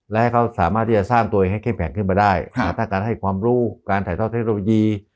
และให้เขาสามารถที่จะสร้างตัวเองให้เข้มแข็งขึ้นมาได้ถ้าการให้ความรู้การถ่ายทอดเทคโนโลยี